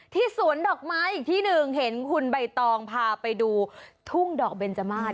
สวนดอกไม้อีกที่หนึ่งเห็นคุณใบตองพาไปดูทุ่งดอกเบนจมาส